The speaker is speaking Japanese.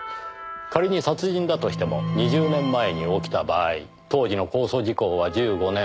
仮に殺人だとしても２０年前に起きた場合当時の公訴時効は１５年。